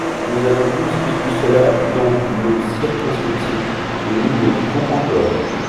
Nous avons tous vécu cela dans nos circonscriptions, et nous le vivons encore.